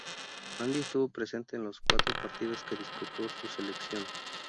Andy estuvo presente en los cuatro partidos que disputó su selección.